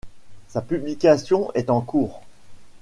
Sa publication est en cours.